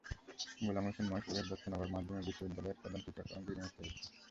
গোলাম হোসেন মহেশপুরের দত্তনগর মাধ্যমিক বিদ্যালয়ের প্রধান শিক্ষক এবং বীর মুক্তিযোদ্ধা।